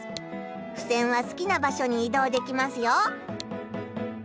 ふせんはすきな場所にいどうできますよ。